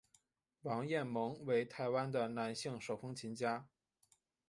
王雁盟为台湾的男性手风琴家。